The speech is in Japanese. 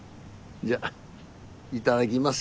じゃあいただきます。